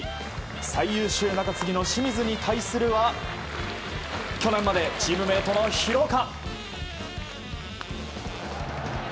最優秀中継ぎの清水に対するは去年までチームメートの廣岡。